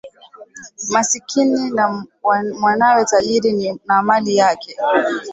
Masikini na mwanawe tajiri na mali yake